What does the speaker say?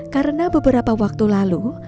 karena beberapa waktu lalu